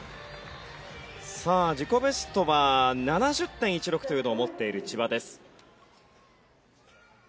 さあ自己ベストは７０．１６というのを持っている千葉です。